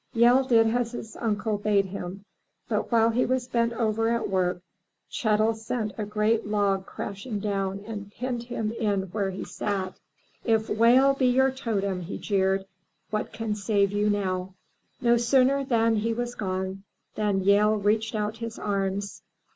Yehl did as his uncle bade him, but while he was bent over at work, Chet'l sent a great log crashing down and pinned him in where he sat. 223 M Y BOOK HOUSE " If whale be your totem/' he jeered, "what can save you now?'* No sooner was he gone, than Yehl stretched out his arms.